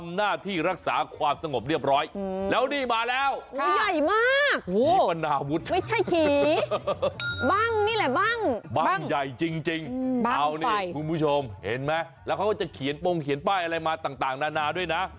บ้างบ้างใหญ่จริงจริงบ้างไฟเอานี่คุณผู้ชมเห็นไหมแล้วเขาก็จะเขียนป้องเขียนป้ายอะไรมาต่างต่างนานาด้วยนะ